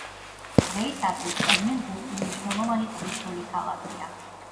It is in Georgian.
დღეისათვის, კვედლინბურგი მნიშვნელოვანი ტურისტული ქალაქია.